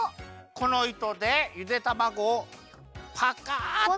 このいとでゆでたまごをパカッてきります。